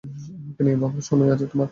আমাকে নিয়ে ভাবার সময় আছে তোমার?